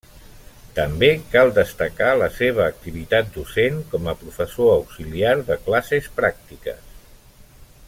També cal destacar la seva activitat docent com a professor auxiliar de classes pràctiques.